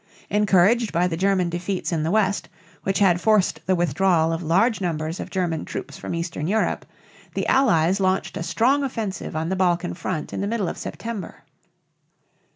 Encouraged by the German defeats in the west, which had forced the withdrawal of large numbers of German troops from eastern Europe, the Allies launched a strong offensive on the Balkan front in the middle of September.